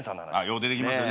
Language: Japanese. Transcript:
よう出てきますよね